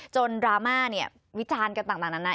ดราม่าเนี่ยวิจารณ์กันต่างนานา